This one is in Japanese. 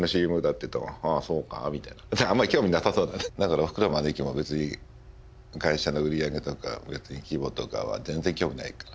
おふくろも姉貴も別に会社の売り上げとか別に規模とかは全然興味ないかな。